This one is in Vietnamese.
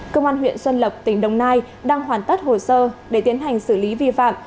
công an huyện xuân lộc tỉnh đồng nai đang hoàn tất hồ sơ để tiến hành xử lý vi phạm